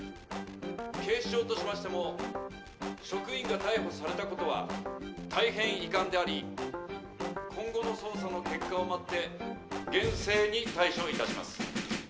警視庁としましても職員が逮捕されたことは大変遺憾であり今後の捜査の結果を待って厳正に対処いたします